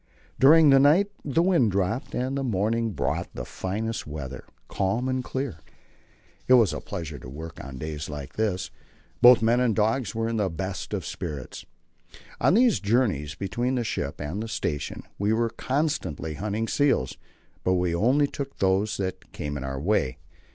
During the night the wind dropped and the morning brought the finest weather, calm and clear. It was a pleasure to work on days like this. Both men and dogs were in the best of spirits. On these journeys between the ship and the station we were constantly hunting seals, but we only took those that came in our way.